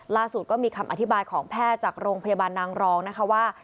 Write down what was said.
ล่าสุดก็มีคำอธิบายของแพทย์จากโรงพยาบาลนางรองนะคะว่า